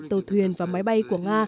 tàu thuyền và máy bay của nga